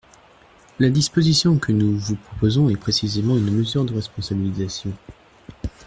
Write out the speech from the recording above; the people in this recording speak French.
La disposition que nous vous proposons est précisément une mesure de responsabilisation.